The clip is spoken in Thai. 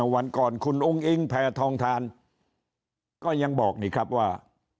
วันก่อนคุณอุ้งอิงแผ่ทองทานก็ยังบอกนี่ครับว่า